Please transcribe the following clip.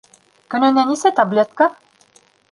Көнөнә нисә таблетка?